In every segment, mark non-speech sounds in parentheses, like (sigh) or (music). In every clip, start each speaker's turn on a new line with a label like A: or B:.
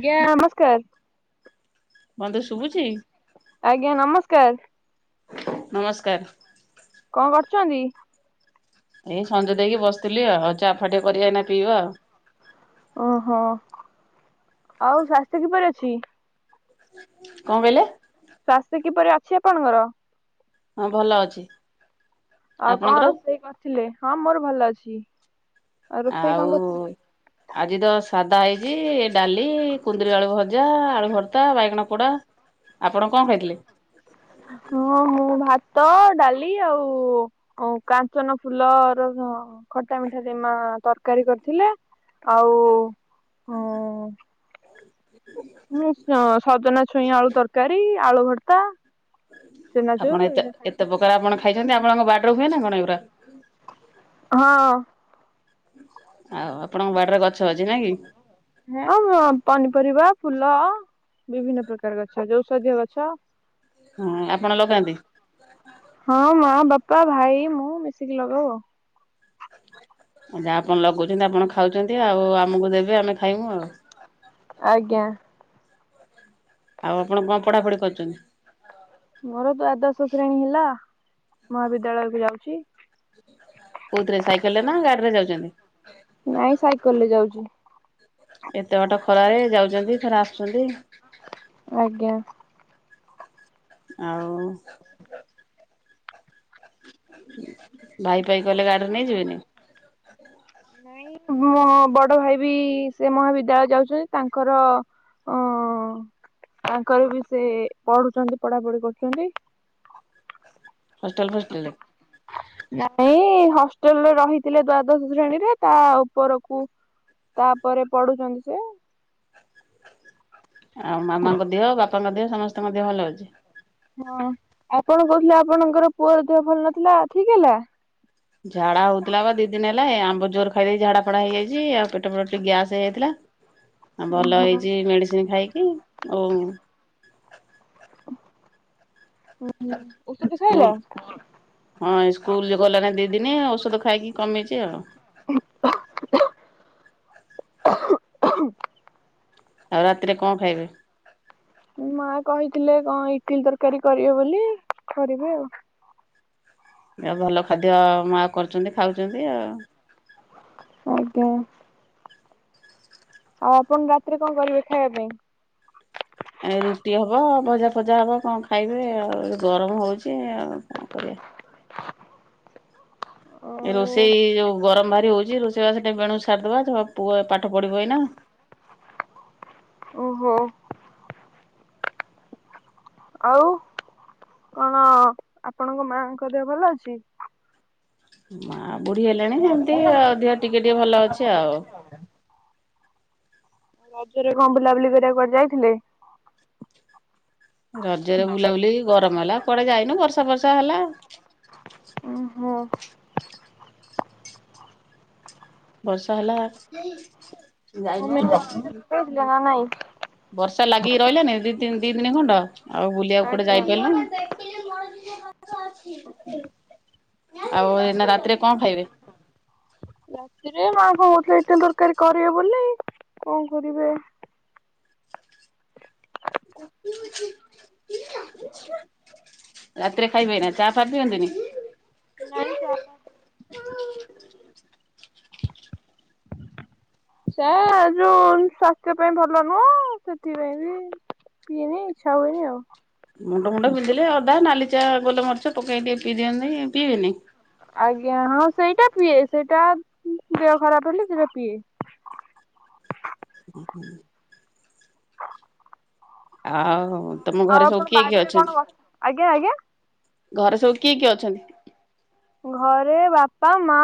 A: ଆଜ୍ଞା ନମସ୍କାର
B: ବନ୍ଧୁ ଶୁଭୁଛି
A: ଆଜ୍ଞା ନମସ୍କାର।
B: ନମସ୍କାର
A: କଣ କରୁଛନ୍ତି?
B: ଏଇ ସଞ୍ଜ ଦେଇକି ବସିଥିଲି ଆଉ ଆଉ ଚା ଫା ଟିକେ କରିବା ଏଇନା ପିଇବା ଆଉ।
A: ଓହୋ ଆଉ ସ୍ୱାସ୍ଥ୍ୟ କିପରି ଅଛି।
B: କଣ କହିଲେ?
A: ସ୍ୱାସ୍ଥ୍ୟ କିପରି ଅଛି ଆପଣଙ୍କର?
B: ହଁ ଭଲ ଅଛି।
A: ଆଉ କଣ
B: ଆପଣଙ୍କର
A: ରୋଷେଇ କରିଥିଲେ? ହଁ ମୋର ଭଲ ଅଛି। ରୋଷେଇ କଣ
B: ଆଉ
A: କରିଥିଲେ?
B: ଆଜି ତ ସାଧା ହେଇଛି ଡାଲି କୁନ୍ଦୁରି ଆଳୁ ଭଜା ଆଳୁ ଭର୍ତା ବାଇଗଣ ପୋଡା। ଆପଣ କଣ ଖା ଇଥିଲେ?
A: ହଁ ହଁ ଭାତ ଡାଲି ଆଉ ଓ କାଞ୍ଚନ ଫୁଲର ଖଟା ମିଠା ଦମା ତରକାରୀ କରିଥିଲେ ଆଉ ହୁଁ
B: (unintelligible)
A: ଇଏ ସ ସଜନା ଛୁଇଁ ଆଳୁ ତରକାରୀ ଆଳୁ ଭରତା
B: ଆପଣ ଏତେ ଏତେ ପ୍ରକାର ଆପଣ ଖାଇଛନ୍ତି ଆପଣଙ୍କ ବାଡିରେ ହୁଏ ନା କଣ ଏ ପୁରା?
A: ହଁ
B: ଆଉ ଆପଣଙ୍କ ବାଡରେ ଗଛ ଅଛି ନ କି?
A: ହ ବ ପନିପରିବା ଫୁଲ ବିଭିନ୍ନ ପ୍ରକାର ଗଛ ଯୋଷଧୀୟ ଗଛ
B: ହଁ ଆପଣ ଲଗାନ୍ତି।
A: ହଁ ମା ବାପା ଭାଇ ମୁଁ ମିଶିକି ଲଗଉ ଆଉ
B: ଆ ଯାହା ଆପଣ ଲଗାଉଛନ୍ତି ଆପଣ ଖାଉଛନ୍ତି ଆଉ ଆମକୁ ଦେବେ ଆମେ ଖାଇମୁ ଆଉ
A: ଆଜ୍ଞା
B: ଆଉ ଆପଣ କଣ ପଢାପଢି କରୁଛନ୍ତି?
A: ମୋର ଦ୍ୱାଦଶ ଶ୍ରେଣୀ ହେଲା ମହାବିଦ୍ୟାଳୟ କୁ ଯାଉଛି।
B: କଉଥିରେ ସାଇକେଲରେ ନା ଗାଡିରେ ଯାଉଛନ୍ତି?
A: ନାଇଁ ସାଇକେଲରେ ଯାଉଛି
B: ଏତେ ବାଟ ଖରାରେ ଯାଉଛନ୍ତି ଥରେ ଆସୁଛନ୍ତି।
A: ଆଜ୍ଞା
B: ଆଉ ଭାଇ ପାଇ କଲେ ଗାଡିରେ ନେଇଯିବିନି
A: ନାଇଁ ମୋ ବଡ ଭାଇ ବି ସେ ମହାବିଦ୍ୟାଳୟ ଯାଉଛନ୍ତି ତାଙ୍କର ଅ
B: (inaudible)
A: ତାଙ୍କର ବି ସେ ପଢୁଛନ୍ତି ପଢାପଢି କରୁଛନ୍ତି।
B: ହଷ୍ଟେଲ ଫଷ୍ଟେଲ
A: ନାଇଁ ହଷ୍ଟେଲରେ ରହିଥିଲେ ଦ୍ଵାଦଶ ଶ୍ରେଣୀରେ ତା ଉପରକୁ ତାପରେ ପଢୁଛନ୍ତି ସେ
B: ଆଉ ମାମାଙ୍କ ଦିହ ବାପାଙ୍କ ଦିହ ସମସ୍ତଙ୍କ ଦିହ ଭଲ ଅଛି।
A: ହଁ ଆପଣ କହୁଥିଲେ ଆପଣଙ୍କର ପୁଅର ଦେହ ଭଲ ନଥିଲା ଠିକ ହେଲା।
B: ଝାଡା ହଉଥିଲା ବା ଦି ଦିନ ହେଲା ଏ ଆମ୍ବ ଜୋର ଖାଇଦେଇ ଝାଡା ଫଡା ହେଇଯାଇଛି ଆଉ ପେଟ ପଟ ଟିକେ ଗ୍ୟାସ ହେଇଯାଇଥିଲା ଆଉ ଭଲ
A: ଓହୋ।
B: ହେଇଚି ମେଡିସିନ ଖାଇକି ଆଉ
A: ହୁଁ। ଔଷଧ ଖାଇଲା?
B: ସ୍କୁଲ ହଁ ସ୍କୁଲ ଯ ଗଲାଣି ଦି ଦିନ ଔଷଧ ଖାଇକି କମେଇଚି ଆଉ।
A: (unintelligible)
B: ଆଉ ରାତିରେ କଣ ଖାଇବେ?
A: ମା କହିଥିଲେ କଣ ଇଟିଲି ତରକାରୀ କରିବେ ବୋଲି କରିବେ ଆଉ।
B: ଭଲ ଖାଦ୍ୟ ମା କରୁଚନ୍ତି ଖାଉଚନ୍ତି ଆଉ।
A: ଆଜ୍ଞା। ଆଉ ଆପଣ ରାତିରେ କଣ କରିବେ ଖାଇବା ପାଇଁ?
B: ଏ ରୁଟି ହବ ଭଜା ଫଜା ହବ କଣ ଖାଇବେ ଆଉ ଏ ଗରମ ହୋଉଚି ଆଉ। ତାପରେ ଏ ରୋଷେଇ ଯୋଉ ଗରମ ଭାରି ହୋଉଚି ରୋଷେଇ ବାସ ସେଠି ବେଣୁ ସାରିଦବା ପାଠ ପଢିବ ଏଇନା
A: ଓହୋ। ଆଉ ହଁ। ଆପଣଙ୍କ ମାଙ୍କ ଦେହ ଭଲ ଅଛି?
B: ମା ବୁଢୀ ହେଲାଣି ସେମିତି ଆଉ ଦେହ ଟିକେ ଟିକେ ଭଲ ଅଛି ଆଉ।
A: ରଜରେ କଣ ବୁଲାବୁଲି କରିବାକୁ ଯାଇଥିଲେ?
B: ରଜରେ ବୁଲାବୁଲି ଗରମ ହେଲା କଆଡେ ଯାଇନୁ, ବର୍ଷା ବର୍ଷା ହେଲା
A: ଓହୋ
B: ବର୍ଷା ହେଲା
A: ଆମେ (unintelligible)
B: ବର୍ଷା ଲାଗିକି ରହିଲାନି ଦି ଦି ଦିନ ଖଣ୍ଡ ଆଉ ବୁଲିବାକୁ କୋଟେ
A: ଆଜ୍ଞା।
B: ଯାଇପାରିଲ ନା (unintelligible)
A: ହୁଁ।
B: ଆଉ ଏ ରାତିରେ କଣ ଖାଇବେ?
A: ରାତିରେ ମା କଣ କହୁଥିଲେ ଇଟିଲି ତରକାରୀ କରିବେ ବୋଲି କଣ କରିବେ?
B: ଗୋପି ହଉଛି ରାତିରେ ଖାଇବେନା ଚା ଫା ଖାଇବେନି କି?
A: ନାଇଁ ଚା? ସେ ଯୋଉ ସ୍ଵାସ୍ଥ୍ୟ ପାଇଁ ଭଲ ନୁହଁ ସେଥିପାଇଁ ବି ପିଏନି ଇଚ୍ଛା ହୁଏନି ଆଉ।
B: ମୁଣ୍ଡ ମୁଣ୍ଡ ପିନ୍ଧିଲେ ଅଦା ନାଲିଚା ଗୋଲମରିଚ ପକେଇ ଟେ ପିଇ ଦିଅନ୍ତି ପିଇନି।
A: ଆଜ୍ଞା ହଁ ସେଇଟା ପିଏ ସେଇଟା ଦେହ ଖରାପ ହେଲେ ସେଇଟା ପିଏ।
B: ହୁଁ ହୁଁ। ଆଉ ତମ
A: ଆଉ
B: ଘରେ ସବୁ
A: ଆପଣ
B: କିଏ କିଏ
A: ବାଡିରେ କଣ
B: ଅଛନ୍ତି?
A: ଗ ଆଜ୍ଞା ଆଜ୍ଞା
B: ଘରେ ସବୁ କିଏ କିଏ ଅଛନ୍ତି?
A: ଘରେ ବାପା ମା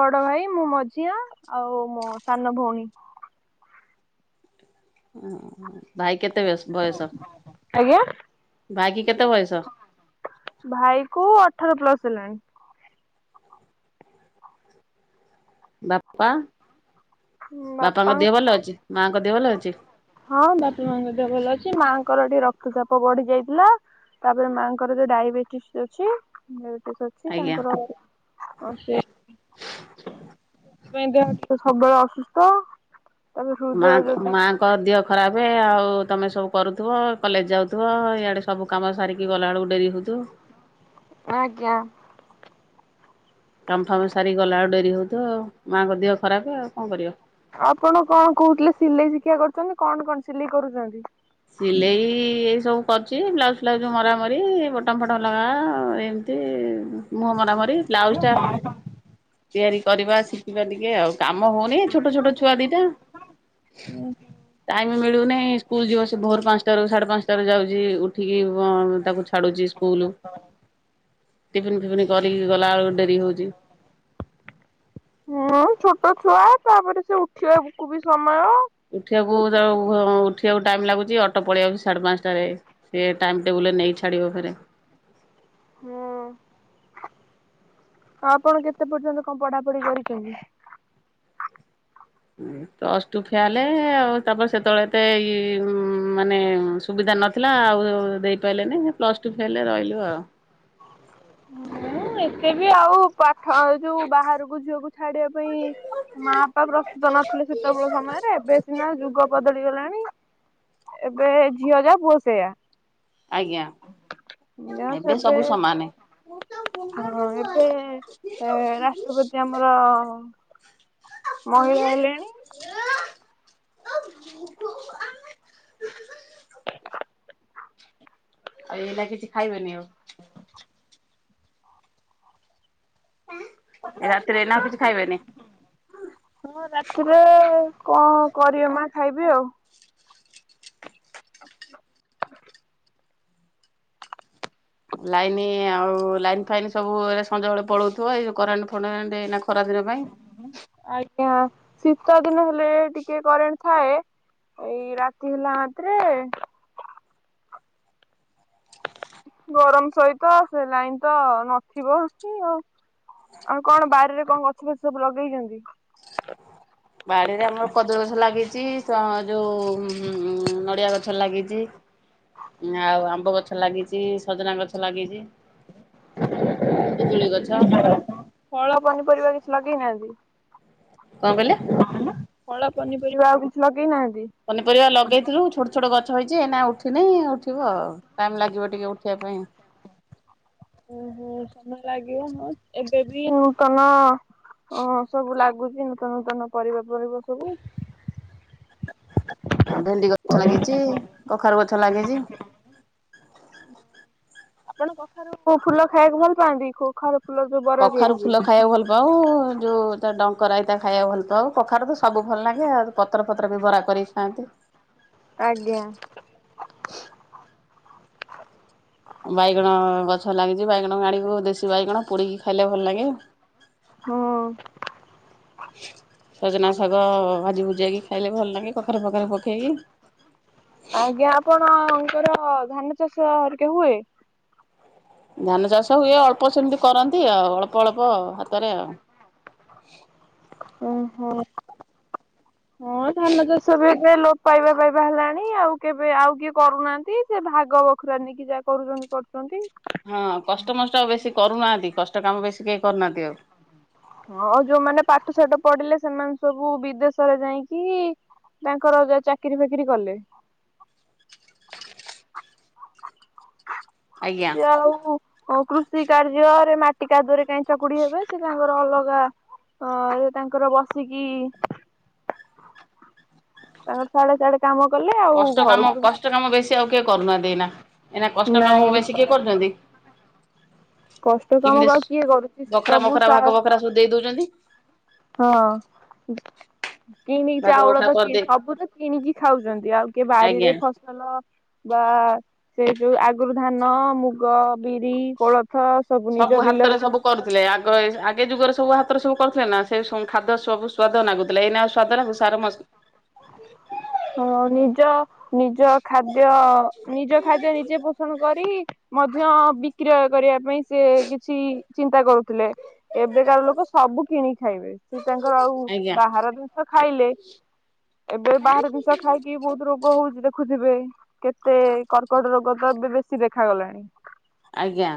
A: ବଡ ଭାଇ ମୁଁ ମଝିଆ ଆଉ ମୋ ସାନ ଭଉଣୀ।
B: ଓ ଭାଇ କେତେ ବୟସ
A: ଆଜ୍ଞା
B: ଭାଇ କି କେତେ ବୟସ?
A: ଭାଇ କୁ ଅଠର ପ୍ଲସ ହେଲାଣି।
B: ବାପା
A: ହେଲାଣି
B: ବାପାଙ୍କ ଦେହ
A: ବାପାଙ୍କୁ
B: ଭଲ ଅଛି ମାଙ୍କ ଦେହେ ଭଲ ଅଛି?
A: ହଁ ବାପା ମାଙ୍କ ମଧ୍ୟ ଭଲ ଅଛି ମାଆଙ୍କର ଟିକେ ରକ୍ତଚାପ ବଢି ଯାଇଥିଲା। ତାପରେ ମାଆଙ୍କର ଯୋଉ ଡାଇବେଟିସ୍ ଅଛିଡବେସ୍ ଅଛି (unintelligible)
B: ଆଜ୍ଞା।
A: ତାଙ୍କର ଅ ସେ ପାଇଁ ଦେ ସବୁବେଳେ ଅସୁସ୍ଥ। ତାପରେ ହୃଦୟ
B: ମା
A: ଯୋଉ
B: ମା ଦେହ ଖରାପେ ଆଉ ତୁମେ ସବୁ କରୁଥିବ କଲେଜ ଯାଉଥିବ ଇଆଡ଼େ ସବୁ କାମ ସାରିକି ଗଲାବେଳକୁ ଡେରି ହେଉୁଥିବ।
A: ଆଜ୍ଞା।
B: କାମ ଫାମ ସାରିକି ଗଲା ଆଉ ଡରି ହୋଉଥିବ ମାଙ୍କ ଦେହ ଖରାପ ଆଉ କଣ କରିବ?
A: ଆପଣ କଣ କହୁଥିଲେ ସିଲେଇ ଶିକ୍ଷା କରୁଚନ୍ତି କଣ କଣ ସିଲେଇ କରୁଚନ୍ତି?
B: ସିଲେଇ ଏଇ ସବୁ କରିୁଛି ବ୍ଲାଉଜ ଫ୍ଲାଉଜ ମର ମରି ବଟମ ଫଟମ ଲଗା ଏ ମୁହଁ ମରା ମରି ବ୍ଲାଉଜ ଟା ତିଆରି କରିବା ଶିଖିବା ଟିକେ ଆଉ କାମ ହଉନି ଛୋଟ ଛୋଟ ଛୁଆ ଦିଟା ଟାଇମ ମିଳୁନାହିଁ ସ୍କୁଲ ଯିବ ଭୋର ପାଞ୍ଚଟାରୁ ସାଢେ ପାଞ୍ଚଟାରୁ ଯାଉଛି ଉଠିକି ତାକୁ ଛାଡୁଛି ସ୍କୁଲ। ଟିଫିିନ ଫିଫନ୍ କରିକି ଗଲାବେଳକୁ ଡେରି ହଉଛି।
A: ହୁଁ ଛୋଟ ଛୁଆ ତାପରେ ସେ ଉଠିବାକୁ ବି ସମୟ।
B: ଉଠିବାକୁ ତା ଉଠ କୁ ଟାଇମ୍ ଲାଗୁଛି ଅଟୋ ପଳେଇଆଉଛି ସାଢ଼େ ପାଞ୍ଚଟାରେ ସିଏ ଟାଇମ୍ ଟେବୁଲରେ ନେଇ ଛଡ଼ିବ ଫେରେ।
A: ହୁଁ ଆ ଆପଣ କେତେ ପର୍ଯ୍ୟନ୍ତ କଣ ପଢାପଢି କରିଛନ୍ତି?
B: ପ୍ଲସ ଟୁ ଫେଲ ଆଉ ତାପରେ ସେତେବେଳେ ତ ଏଇ ମାନେ ମ ସୁବିଧା ନଥିଲା ଆଉ ଦେଇପାରିଲେନି ପ୍ଲସ୍ ଟୁ ଫେଲ୍ ରହିଲୁ ଆଉ।
A: ଏତେ ବି ଆଉ ପାଠ ଯୋଉ ବାହାରକୁ ଝିଅକୁ ଛାଡିବା ପାଇଁ ମାପା ପ୍ରସ୍ତୁତ ନଥିଲେ ଶୀତ ବଳ ସମୟରେ ଏବେ ସିନା ଯୁଗ ବଦଳି ଗଲାଣି। ଏବେ ଝିଅ ଯା ପୁଅ ସେୟା।
B: ଆଜ୍ଞା
A: ନିରାସ ଏବେ
B: ସବୁ ସମାନେ
A: ହଁ ଏବେ ରାଷ୍ଟ୍ରପତି ଆମର ମହିଳା ହେଲେଣି।
B: ଏ ଏ। ଆଉ ଏଇଲା କିଛି ଖାଇବନି ଆଉ। ରାତିରେ ନାଉ କିଛି ଖାଇବେନି।
A: ହଁ ରାତିରେ କଣ କରିବେ ମା ଖାଇବି ଆଉ।
B: ଲାଇନ ଆଉ ଲାଇନ୍ ଫାଇନ ସବୁରେ ସଞ୍ଜବେଳେଳାଉଥିବ ଏଇ କରେଣ୍ଟ ଫଟରେଣ୍ଟ ଏଇନା ଖରାଦିନ ପାଇଁ।
A: ଆଜ୍ଞା ଶୀତ ଦିନ ହେଲେ ଟିକେ କରେଣ୍ଟ ଥାଏ। ଏଇ ରାତି ହେଲା ମାତ୍ରେ। ଗରମ ସହିତ ସେ ଲାଇନ ତ ନଥିବ ଆଉ। ଆଉ କଣ ବାରିରେ କଣ ଗଛ ଫଛ ସବୁ ଲଗେଇଛନ୍ତି।
B: ବାଡିରେ ଆମର କଦଳି ଗଛ ଲାଗିଛି ଯୋଉ ନଡିଆ ଗଛ ଲାଗିଛି। ଆଉ ଆମ୍ବ ଗଛ ଲାଗିଛି ସଜନା ଗଛ ଲାଗିଛି। ପିଜୁଳି ଗଛ।
A: ଫଳ ପନିପରିବା କିଛି
B: କଣ କହିଲେ?
A: ଲଗେଇନାହାନ୍ତି। ଫଳ ପନିପରିବା ଆଉ କିଛି ଲଗେଇ ନାହାନ୍ତି।
B: ପନିପରିବା ଲଗେଇଥିଲୁ ଛ ଛୋଟ ଗଛ ହେଇଛି ଏନା ଉଠିନି ଉଠିବ ଆଉ ଟାଇମ ଲାଗିବ ଟିକେ ଉଠିବା ପାଇଁ।
A: ଓହୋ ସମୟ ଲାଗିବ ହଁ ଏବେ ବି ନୂତନ ହଁ ସବୁ ଲାଗୁଛି ନୂତନ ନୂତନ ପରିବା ପରିବା ସବୁ
B: ଆଉ ଭେଣ୍ଡି ଗଛ ଲାଗିଛି କଖାରୁ ଗଛ ଲାଗିଛି।
A: ଆପଣ କଖାରୁ ଫୁଲ ଖାଇବାକୁ ଭଲ ପାଆନ୍ତି କଖାରୁ ଫୁଲ ଯୋଉ ବରା ତିଆରି ହୁଏ।
B: ବଉ ଯଉ ଡଙ୍କ ରାଇତା ଖାଇବା ଭଲ ପାଉ କଖାରୁ ତ ସବୁ ଭଲ ଲାଗେ ଆଉ ପତ୍ର ପତ୍ର ବି ବରା କରଥାନ୍ତି।
A: ଆଜ୍ଞା।
B: ବାଇଗଣ ଗଛ ଲାଗିଛି ବାଇଗଣକୁ ଆଣିକ ଦେଶୀ ବାଇଗଣ ପୋଡିକି ଖାଇଲେ ଭଲ ଲାଗେ।
A: ହଁ।
B: ସଜନା ଶାଗ ଭାଜି ଭୁଜିଇକି ଖାଇଲେ ଭଲ ଲାଗେ କଖାରୁ ପଖରେ ପକେଇକି।
A: ଆଜ୍ଞା ଆପଣଙ୍କର ଧାନ ଚାଷ ହେରିକା ହୁଏ।
B: ଧାନ ଚାଷ ହୁଏ ଅଳ୍ପ ସେମିତି କରନ୍ତି ଆଉ ଅଳ୍ପ ଅଳ୍ପ ହାତରେ ଆଉ।
A: ଓହୋ ହଁ ଧାନ ଚାଷ ବି କେବେ ଲୋପ ପାଇବା ପାଇଁ ବାହାରିଲାଣି ଆଉ କେବେ ଆଉ କିଏ କରୁନାହାନ୍ତି ସେ ଭାଗ ବଖୁରାନି କି ଯାହା କରୁଛନ୍ତି କରୁଛନ୍ତି।
B: ହଁ କଷ୍ଟମଷ୍ଟ ଆଉ ବେଶୀ କରୁନାହାଁନ୍ତି କଷ୍ଟ କାମ ବେଶୀ କେହି କରୁନାହାନ୍ତି ଆଉ।
A: ହଁ ଯୋଉମାନେ ପାଠ ସାଠ ପଢିଲେ ସେମାନେ ସବୁ ବିଦେଶରେ ଯାହିଁକି ତାଙ୍କର ଯା ଚାକିରି ଫାକିରି କଲେ।
B: ଆଜ୍ଞା।
A: ସିଏ ଆଉ ହ କୃଷି କାର୍ଯ୍ୟରେ ମାଟି କାଦୁଅରେ କାହିଁ ଚକୁଡି ହେବେ ସେ ତାଙ୍କର ଅଲଗା ଅ ତାଙ୍କର ବସିକି ତାଙ୍କର ସିଆଡେ ସିଆଡେ କାମ କଲେ ଆଉ
B: କଷ୍ଟ କାମ
A: ଘରକୁ ବି
B: କଷ୍ଟ କାମ ବେଶୀ ଆଉ କେହି କରୁନାହାନ୍ତି ଏଇନା, ଏଇନା କଷ୍ଟ କାମ
A: ନାଇଁ
B: ବେଶୀ କିଏ କରୁଛନ୍ତି?
A: କଷ୍ଟ କାମ
B: କେମିତି
A: ଆଉ କିଏ କରୁଛି
B: ବଖରା
A: ସବୁ
B: ମଖରା
A: ସା
B: ଭାଗ ବଖରା ସବୁ ଦେଇ ଦଉଛନ୍ତି।
A: ହଁ। କିଣିକି
B: ଭାଗ
A: ଚାଉଳ
B: ବଖରା
A: ତ କି
B: କରିଦେଇ
A: ସବୁ ତ କିଣିକି ଖାଉଛନ୍ତି ଆଉ କିଏ
B: ଆଜ୍ଞା।
A: ବାରିରେ ଫସ ହେଲୋ ବାଏ। ସେ ଯୋଉ ଆଗରୁ ଧାନ, ମୁଗ, ବିରି, କୋଳଥ ନିଜ
B: ସବୁ ହାତରେ
A: ବିଲରେ
B: ସବୁ କରୁଥିଲେ ଆଗ ଗ ଆଗେ ଯୁଗରେ ସବୁ ହାତରେ ସବୁ କରୁଥିଲେ ନା ସେ ସ ଖାଦ୍ୟ ସବୁ ସ୍ଵାଦ ଲାଗୁଥିଲା ଏଇନା ଆଉ ସ୍ଵାଦ ଲାଗୁ ସାର ମସ
A: ହଁ ନିଜ ନିଜ ଖାଦ୍ୟ ନିଜ ଖାଦ୍ୟ ନିଜେ ପୋଷଣ କରି ମଧ୍ୟ ବିକ୍ରୟ କରିବା ପାଇଁ ସେ କିଛି ଚିନ୍ତା କରୁଥିଲେ। ଏବେକାର ଲୋକ ସବୁ କିଣିି ଖାଇବେ, ସେ ତାଙ୍କର ଆଉ
B: ଆଜ୍ଞା
A: ବାହାର ଷ ଖାଇଲେ ଏବେ ବାହାର ଜିନିଷ ଖାଇକି ବହୁତ ରୋଗ ହଉଛି ଦେଖୁଥିବେ। କେତେ କର୍କଟ ରୋଗ ତ ଏବେ ବେଶୀ ଦେଖାାଗଲାଣି।
B: ଆଜ୍ଞା।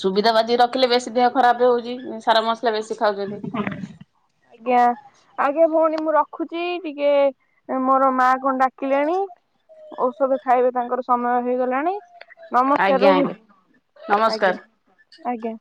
B: ସୁବିଧା ବାଦି ରଖିଲେ ବେଶୀ ଦେହ ଖରାପ ହଉଛି। ସାର ମସ୍
A: (unintelligible) ଆଜ୍ଞା। ଆଜ୍ଞା ଭଉଣୀ ମୁଁ ରଖୁଛି ଟିକେ ମୋର ମା କଣ ଡାକିଲେଣି। ଔଷଧ ଖାଇବେ ତାଙ୍କର ସମୟ ହେଇଗଲାଣି। ନମସ୍କାର
B: ଆଜ୍ଞା ଆଜ୍ଞା
A: ରହୁଛି ଆଜ୍ଞା
B: ନମସ୍କାର।
A: ଆଜ୍ଞା।